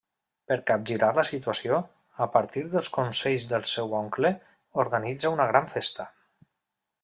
Per capgirar la situació, a partir dels consells del seu oncle, organitza una gran festa.